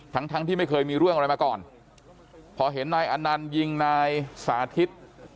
ทั้งทั้งที่ไม่เคยมีเรื่องอะไรมาก่อนพอเห็นนายอนันต์ยิงนายสาธิต